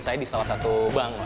saya di salah satu bank